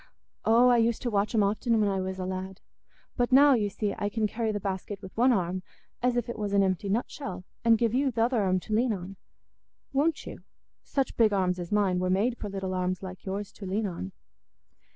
"Oh, I used to watch 'em often when I was a lad. But now, you see, I can carry the basket with one arm, as if it was an empty nutshell, and give you th' other arm to lean on. Won't you? Such big arms as mine were made for little arms like yours to lean on."